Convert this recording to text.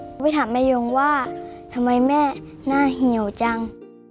ไปถามแม่ยงว่าทำไมแม่หน้าเหี่ยวจัง